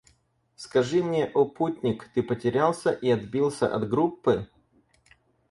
Скажи мне, о путник, ты потерялся и отбился от группы?